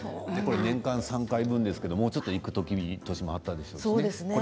年間３回分の交通費ですけど、もうちょっと行く時もあったでしょうしね